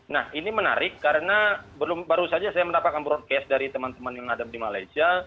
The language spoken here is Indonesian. nah ini menarik karena baru saja saya mendapatkan broadcast dari teman teman yang ada di malaysia